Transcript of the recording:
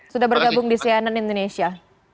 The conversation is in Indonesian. sudah bergabung di cnn indonesia